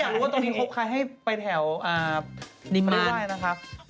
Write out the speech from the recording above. อยากรู้ว่าตอนนี้ครบใครให้ไปแถวพัฬิวลลายนะครับ